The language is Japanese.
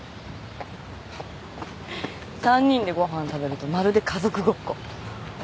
３人でご飯食べるとまるで家族ごっこ。